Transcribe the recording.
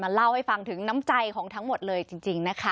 เล่าให้ฟังถึงน้ำใจของทั้งหมดเลยจริงนะคะ